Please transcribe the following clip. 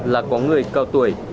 là có người cao tuổi